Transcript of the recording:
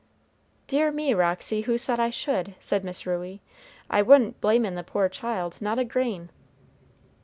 "Dear me, Roxy, who said I should?" said Miss Ruey. "I wa'n't blamin' the poor child, not a grain."